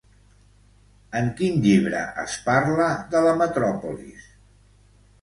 En quin llibre es parla de la metròpolis?